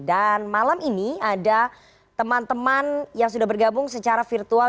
dan malam ini ada teman teman yang sudah bergabung secara virtual